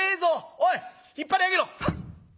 おい引っ張り上げろ！」。